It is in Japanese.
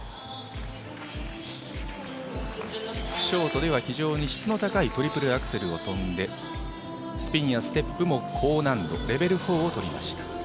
ショートでは非常に質の高いトリプルアクセルを跳んでスピンやステップも高難度レベル４をとりました。